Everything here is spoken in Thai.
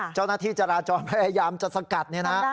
เจ้าหน้าที่จราจรพยายามจะสกัด